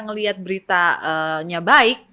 melihat beritanya baik